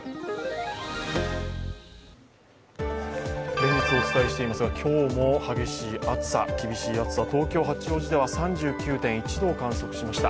連日お伝えしていますが今日も激しい暑さ、厳しい暑さ、東京・八王子では３９．１度を観測しました。